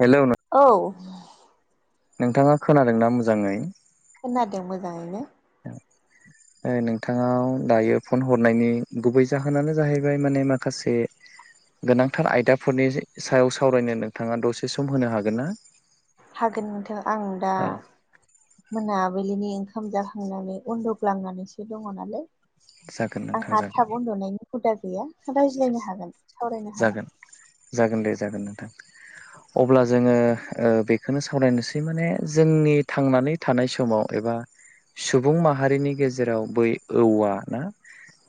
Hello नों औ नोंथाङा खोनादोंना मोजाङै खोनादों मोजाङैनो औ नोंथाङाव दायो फन हरनायनि गुबै जाहोनानो जाहैबाय माने माखासे गोनांथार आयदाफोरनि सायाव सावरायनो नोंथाङा दसे सम होनो हागोन ना हागोन नोंथां आं दा औ मोनाबिलिनि ओंखाम जाखांनानै उन्दुग्लांनानैसो दङ नालाय जागोन नोंथां आंहा जागोन थाब उन्दुनायनि हुदा गैया रायज्लायनो हागोन सावरायनो हागोन जागोन जागोन दे जागोन नोंथां अब्ला जोङो बेखौनो सावरायनोसै माने जोंनि थांनानै थानाय समाव एबा सुबुं माहारिनि गेजेराव बै औवा ना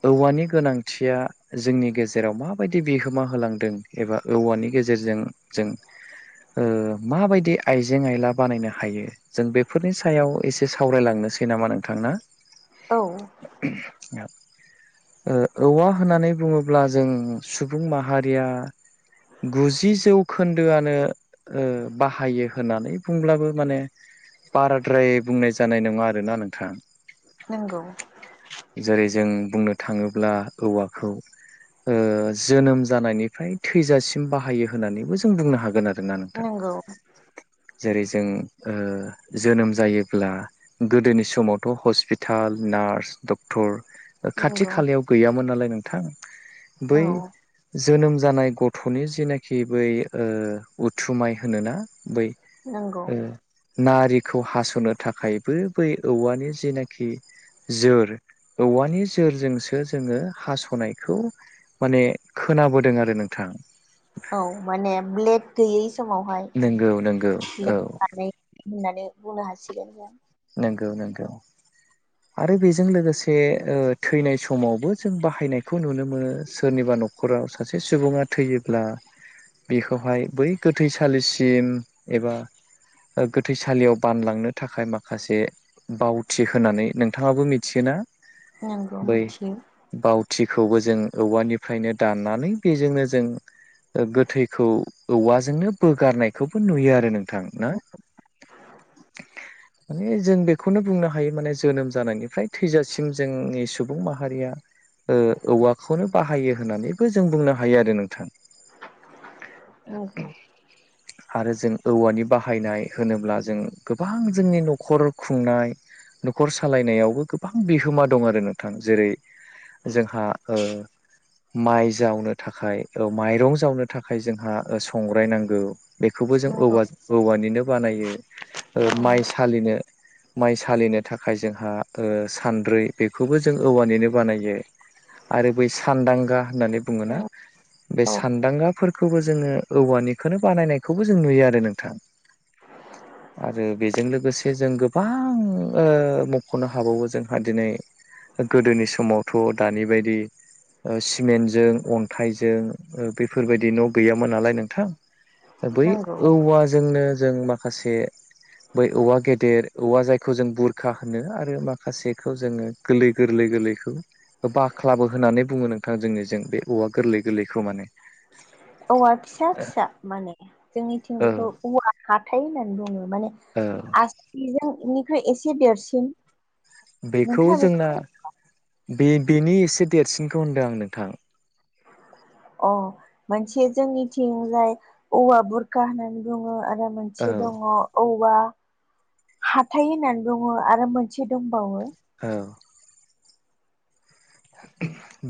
औवानि गोनांथिया जोंनि गेजे जेराव माबायदि बिहोमा होलांदों एबा औवानि गेजेरजों जों ओ माबायदि आइजें आयला बानायनो हायो जों बेफोरनि सायाव एसे सावरायलांनोसै नामा नोंथां ना औ ओ औवा होननानै बुङो ब्ला जों सुबुं माहारिया गुजि जौखोन्दोआनो ओ बाहायो होननानै बुंब्लाबो माने बाराद्राय बुंनाय जानाय नङा आरोना नोंथाङा नोंगौ जेरै जों बुंनो थाङोब्ला औवाखौ ओ जोनोम जानायनिफ्राय थैजासिम बाहायो होननानैबो जों बुंनो हागोन आरोना नोंथां नंगौ जेरै जों जोनोम जायोब्ला गोदोनि समावथ' हस्पिटाल नार्स डक्टर खाथि नंगौ खालायाव गैयामोन नालाय नोंथां बै औ जोनोम जानाय गथ' गथ'नि जेनाखि बै उथुमाय होनोना बै नंगौ नारिखौ हास'नो थाखायबो बै औवानि जिनाखि जोर औवानि जोरजोंसो जोङो हास'नाय खौ माने खोनाबोदों आरो नोंथां औ माने ब्लेक गैयै समावहाय नोंगौ नोंगौ औ ब्लेक [inaudible] होननानै बुंनो हासिगोन नंगौ नंगौ आरो बेजों लोगोसे थैनाय समावबो जों बाहायनायखौ नुनो मोनो सोरनिबा न'खराव सासे सुबुङा थैयोब्ला बेखौहाय बै गोथैसालिसिम एबा गोथैसालियाव बानलांनो थाखाय माखासे बावथि होनानै नोंथाङाबो मिथियोना नोंगौ बै मिथियो बावथिखौबो जों औवानिफ्रायनो दाननानै बेजोंनो जों गोथैखौ औवाजोंनो बोगारनायखौबो नुयो आरो नोंथां ना माने जों बेखौनो बुंनो हायो माने जोनोम जानायनिफ्राय थैजासिम जोंनि सुबुं माहारिया औवाखौनो बाहायो होननानैबो जों बुंनो हायो आरो नोंथां नंगौ आरो जों औवानि बाहायनाय होनोब्ला जों गोबां जोंनि न'खर खुंनाय न'खर सालायनायावबो गोबां बिहोमा दं आरो नोंथां जेरै जोंहा माइ जावनो थाखाय माइरं जावनो थाखाय जोंहा संग्राय नांगौ बेखौबो जों नंगौ औवा औवानिनो बानायो औ माइ सालिनो माइ सालिनो थाखाय जोंहा सान्द्रै बेखौबो जों औवानिनो बानायो आरो बै सानदांगा होननानै बुङोना नंगौ बे सानदांगा फोरखौबो जोङो औवानिखौनो बानायनायखौबो जों नुयो आरो नोंथां आरो बेजों लोगोसे जों गोबां मख'नो हाबावो जोंहा दिनै गोदोनि समावथ' दानि बायदि सिमेन्टजों अन्थाइजों बेफोरबायदि न' गैयामोन नालाय नोंथां बै नंगौ औवाजोंनो जों माखासे बै औवा गेदेर औवा जायखौ जों बुरखा होनो आरो माखासेखौ जोङो गोरलै गोरलै गोरलैखौ बाख्लाबो होननानै बुङो नोंथां जोंनिजों बे औवा गोरलै गोरलैखौ माने औवा फिसा फिसा माने जोंनिथिं औ बेखौ औवा हाथथाय होननानै बुङो माने औ आसजोंनिख्रुइ एसे देरसिन बेखौ नोंथाङा जोंना बेखौ बे बेनि एसे देरसिनखौ होनदों आं नोंथां अ मोनसे जोंनिथिंजाय औवा बुरखा होननानै बुङो आरो औ मोनसे दङ औवा हाथाइ होननानै बुङो आरो मोनसे दंबावो औ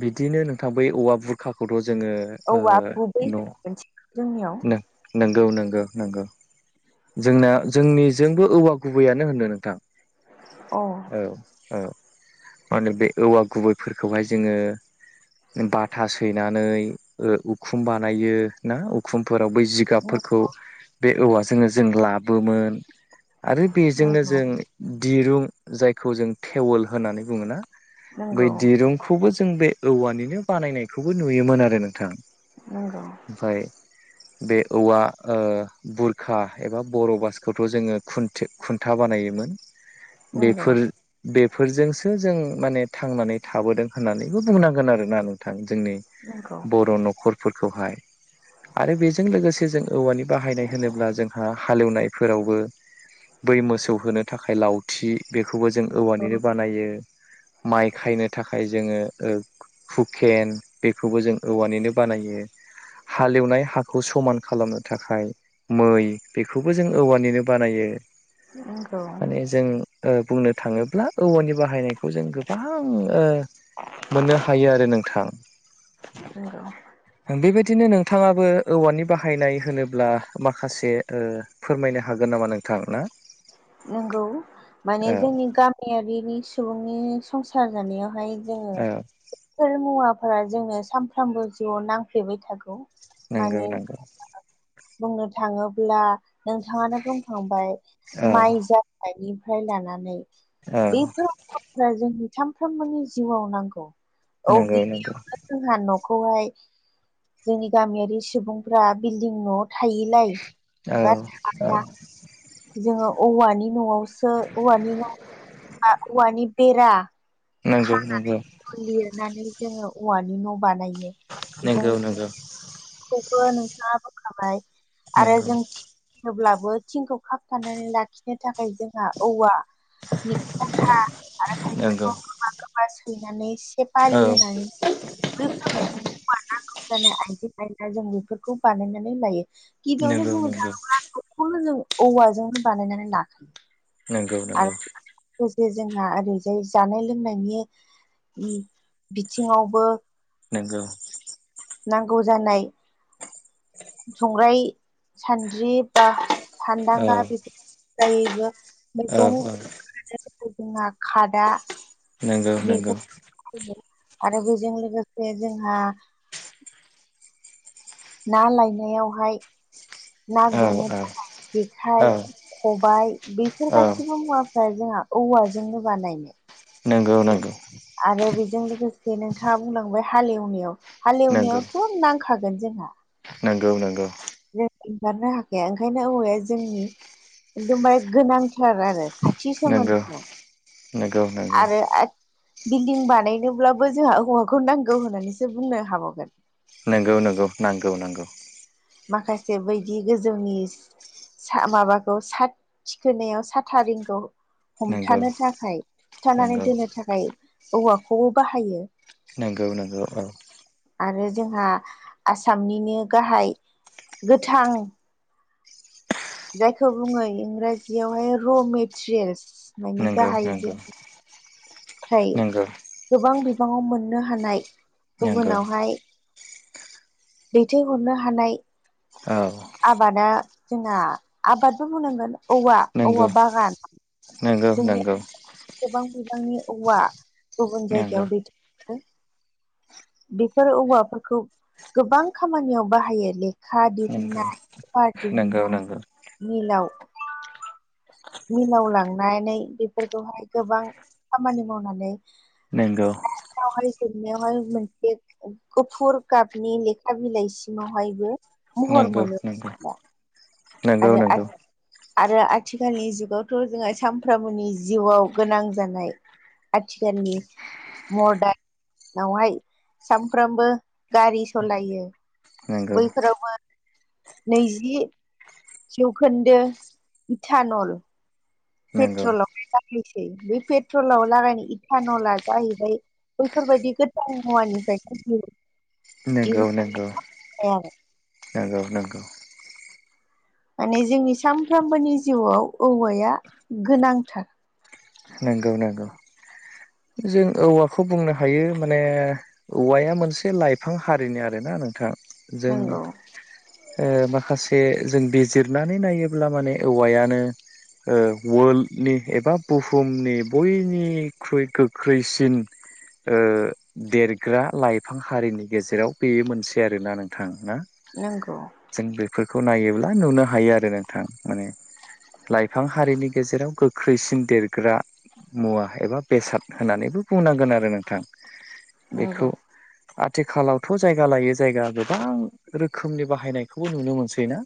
बिदिनो नोंथां बै औवा बुरखाखौथ' जोङो औवा गुबै ओ [unintelligible] जोंनियाव नंगौ नंगौ नंगौ जोंना जोंनिजोंबो औवा गुबैयानो होनदों नोंथां अ औ औ मा होनो बे औवा गुबैफोरखौहाय जोङो बाथा सैनानै उखुम बानायो ना उखुमफोराव बै जि जिगाबफोरखौ बे औवाजोंनो जों लाबोमोन आरो बेजोंनो नंगौ जों दिरुं जायखौ जों थेवोल होननानै बुङोना बै नंगौ दिरुं बे खौबो जों बे औवानिनो बानायनायखौबो नुयोमोन आरो नोंथां नंगौ ओमफाय बे औवा बुर खा एबा बर' बासखौथ' जोङो खुन खुन्था बानायोमोन नंगौ बेफोर बेफोरजोंसो जों माने थांनानै थाबोदों होननानैबो बुंनांगोन आरोना नोंथां। जोंनि नंगौ बर' न'ख'र फोरखौहाय आरो बेजों लोगोसे जों औवानि बाहायनाय होनोब्ला जोंहा हालेवनायफोरावबो बै मोसौ होनो थाखाय लाव फुरथि बेखौबो जों औवानिनो बानायो माइ खायनो थाखाय जोङो हुकेन बेखौबो जों औवानिनो बानायो। हालेवनाय हाखौ समान खालामनो थाखाय मै बेखौबो जों औवानिनो बानायो नंगौ माने जों बुंनो थाङोब्ला औवानि बाहायनाय बेखौ जों गोबां मोननो हायो आरो नोंथां। [inaudible] बेबायदिनो नोंथाङाबो औवानि बाहायनाय होनोब्ला माखासे फोरमायनो हागोन नामा नोंथां ना? नंगौ माने औ जोंनि गामियारिनि सुबुंनि संसार जानायावहाय औ जोङो मुवाफोरा जोंनो सानफ्रामबो जिउआव नांफ्लेबाय थागौ नंगौ माने नंगौ बुंनो थाङोब्ला नोंथाङानो बुंखांबाय औ माइजा निफ्राय लानानै औ बेफोर जोंनि सामफ्रोमबोनि जिउआव नांगौ नंगौ नंगौ गिबियाव जोंहा न'खौहाय जोंनि गामियारि सुबुंफ्रा बिल्डिं न' औ थायलाया औ थाया। जोङो औवानि न'आवसो औवानि न' औवानि बेरा नंगौ खार' नंगौ। लिरनानै जोङो औवानि न' बानायो। बेजों नंगौ नंगौ। खौबो नोंथाङा बोखाबाय आरो नंगौ जों हब्लाबो थिंखौ खाबथानानै लाखिनो थाखाय जों औवा निथा आरो नंगौ नंगौ खायफेंखौ गो गो सैनानै से औ बालि होनानै बा नांगौ जानाय आइ आ जों बेफोरखौ बानायनानै लायो गिबियावनो नंगौ बुंनो नंगौ थाङोब्ला खौनो जों औवाजोंनो बानायनानै लाखायो। नंगौ नंगौ। आरो लोगोसे जोंहा ओरैजाय जानाय लोंनायनि बिथिङावबो नोंगौ। नांगौ जानाय संग्राय सान्द्रि बा सानदांगा औ बेफोरगायैबो औ मैगं खादफोरखौ जोंहा खादा नंगौ नंगौ। बेफोर आरो बेजों लोगोसे जोंहा ना लायनायावहाय ना औ गुरनो औ थाखाय औ जेखाइ खबाय बेफोर औ गासिबो मुवा मफ्राय जोंहा औवाजोंनो बानायनो नंगौ नंगौ। आरो बेजों लोगोसे नोंथाङा बुंलांबाय हालेवनायाव नंगौ हालेवनायावथ' न' खागोन जोंहा। नंगौ नंगौ। जों ओंखारनो हाखाया ओंखायनो औवाया जोंनि एकदमबारे गोनांथार आरो। खाथि नंगौ सोमोन्दो आरो। बिल्डिं बानायनोब्लाबो जोंहा हौवाखौ नांगौ होननानैसो बुंनो हाबावगोन। नोंगौ नोगौ [unintelligible] माखासे बायदि गोजौनि सा माबाखौ सा थिखोनायाव साथा रिंखौ नंगौ हमथानो थाखाय थोबथानानै नंगौ दोननो थाखाय औवाखौबो बाहायो। नंगौ नंगौ औ। आरो जोंहा आसामनिनो गाहाय गोथां। जायखौ बुङो इंराजियावहाय र' मेटेरियेल्स मानानि नंगौ गाहाय जि नंगौ फ्राय नंगौ गोबां बिबाङाव मोननो हानाय नंगौ गुबुनावहाय दैथायहरनो हानाय औ। आबादा जोंना आबादबो बुंनांगोन औवा नंगौ औवा बागान नंगौ जोंनि नंगौ। गोबां बिबांनि औवा गुबुन नंगौ जायगायाव दैद बेफोर औवाफोरखौ गोबां खामानियाव बाहायो लेखा नंगौ दिहुननाय पार्टि नंगौ नंगौ मिलाव मिलावलांनानै बेफोरखौहाय गोबां खामानि मावनानै। नोंगौ [unintelligible] जोबनायावहाय मोनसे गुफुर गाबनि लेखा बिलाइसिमावहायबो नंगौ नंगौ नंगौ आरो आ आरो आथिखालनि जुगावथ' जोंहा सानफ्रामबोनि जिउआव गोनां जानाय आथिखालनि मडारनावहाय सामफ्रामबो गारि सालायो। नंगौ बैफोरावबो नैजि जौखोन्दो इथानल नंगौ पेट्रलावहाय रायलायनोसै बे पेट्रलाव रायलायनाय इटानला जाहैबाय बैफोरबायदि गोथान मुवानिफ्राय फयो। नंगौ नंगौ आरो नंगौ नंगौ माने जोंनि सानफ्रोमबोनि जिउआव औवाया गोनांथार नंगौ नंगौ जों औवाखौ बुंनो हायो माने औवाया मोनसे लाइफां हारिनि आरोना नोंथां जों नंगौ माखासे जों बिजिरनानै नायोब्ला माने औवायानो वर्ल्डनि एबा बुहुमनि बयनिख्रुइ गोख्रैसिन ओ देरग्रा लाइफां हारिनि गेजेराव बेयो मोनसे आरोोना नोंथां ना नोंगौ जों बेफोरखौ नायोब्ला नुनो हायो आरो नोंथां माने लाइफां हारिनि गेजेराव गोख्रैसिन देरग्रा मुवा एबा बेसाद होननानैबो बुंनांगोन आरो नोंथां नंगौ बेखौ आथिखालावथ' जायगा लायो जायगा गोबां रोखोमनि बाहायनायखौबो नुनो मोनसै ना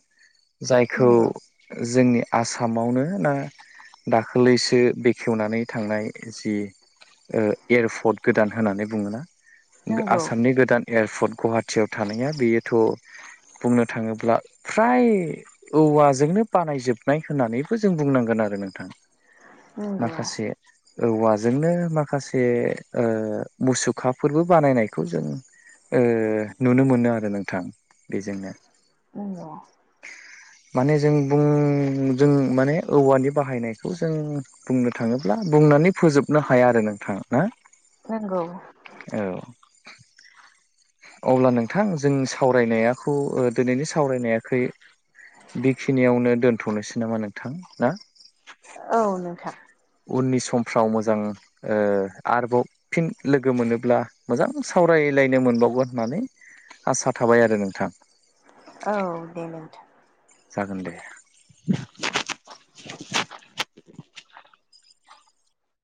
जायखौ नंगौ जोंनि आसामावनो ना दाखालिसो ओ बेखेवनानै थांनाय जि एयारपर्ट गोदान होननानै बुङोोना नंगौ आसामनि गोदान एयारपर्ट गुवाहाटिीयाव थानाया बेयोथ' बुंनो थाङोब्ला फ्राय औवाजोंनो बानायजोबनाय होननानैबो जों बुंनांगोन आरो नोंथां नंगौ माखासे औवाजोंनो माखासे मुसुखाफोरबो बानायनायखौ जों नुनो मोनो आरो नोंथां बेजोंनो नंगौ माने जों बुं जों माने औवानि बाहायनायखौ जों बुंनो थाङोब्ला बुंनानै फोजोबनो हाया आरो नोंथां ना? नंगौ औ अब्ला नोंथां जोंनि सावरायनायाखौ दिनैनि सावरायनायाखै बेखिनियावनो दोनथ'नोसै नामा नोंथां ना? औ नोंथां उननि समफ्राव मोजां आरोबाव फिन लोगो मोनोब्ला मोजां सावरायलायनो मोनबावगोन होननानै आसा थाबाय आरो नोंथां। औ दे नोंथां जागोन दे [inaudible]